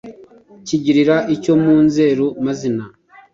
Cyigirira cyo mu nzeru, Mazina